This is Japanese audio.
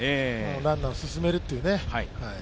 ランナーを進めるというね。